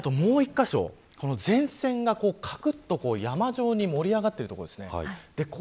もう１カ所前線が山状に盛り上がっているところです。